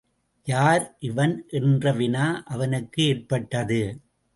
யார் இவன்? என்ற வினா அவனுக்கு ஏற்பட்டது.